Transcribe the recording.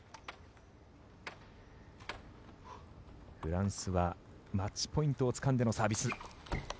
フランスはマッチポイントをつかんでのサービス。